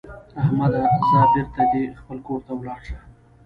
احمده؛ ځه بېرته دې خپل کار ته ولاړ شه.